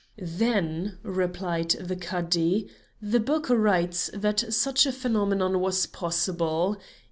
"Then," replied the Cadi, "the book writes that such a phenomenon was possible.